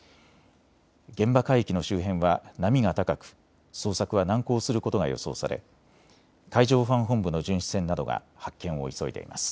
現場海域の周辺は波が高く捜索は難航することが予想され海上保安本部の巡視船などが発見を急いでいます。